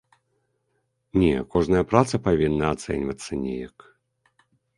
Не, кожная праца павінна ацэньвацца неяк.